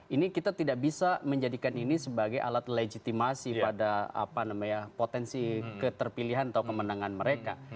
ini kita tidak bisa menjadikan ini sebagai alat legitimasi pada potensi keterpilihan atau kemenangan mereka